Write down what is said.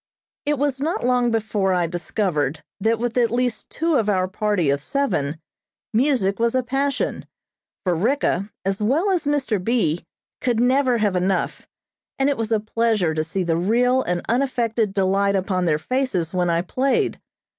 It was not long before I discovered that with at least two of our party of seven music was a passion, for Ricka, as well as Mr. B., could never have enough, and it was a pleasure to see the real and unaffected delight upon their faces when I played.